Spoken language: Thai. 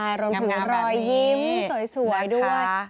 งามแบบนี้นะคะรวมถึงรอยยิ้มสวยด้วย